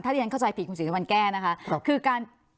ถ้าเรียนเข้าใจผิดคุณศรีสะวันแก้นะคะ